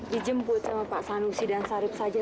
dijemput sama pak sanusi dan sarip saja